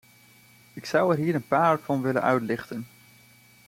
Ik zou er hier een paar van willen uitlichten.